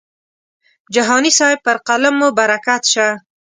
جهاني صاحب پر قلم مو برکت شه.